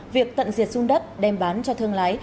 việc tận diệt dung đất đem bán cho thương lái